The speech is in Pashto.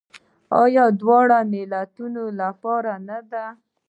آیا د دواړو ملتونو لپاره نه ده؟